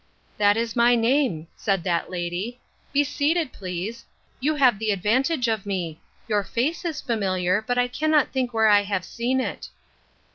" That is my name," said that lady. " Be seated, please. You have the advantage of me ; your face is familiar, but I cannot think where I have seen it."